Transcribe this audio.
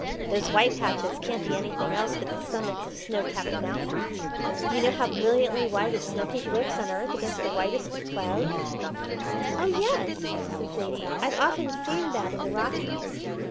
"Those white patches can't be anything else but the summits of snow capped mountains. You know how brilliantly white a snow peak looks on earth against the whitest of clouds." "Oh, yes," said Zaidie, "I've often seen that in the Rockies.